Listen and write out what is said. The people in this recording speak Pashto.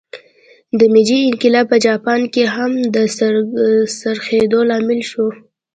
د میجي انقلاب په جاپان کې هم د څرخېدو لامل شو.